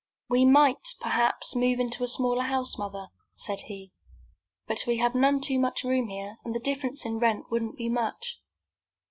"We might, perhaps, move into a smaller house, mother," said he, "but we have none too much room here, and the difference in rent wouldn't be much."